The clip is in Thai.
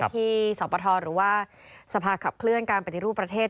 ที่สปทหรือว่าสภาขับเคลื่อนการปฏิรูปประเทศ